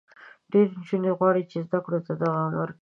ډېری نجونې غواړي چې زده کړو ته دوام ورکړي.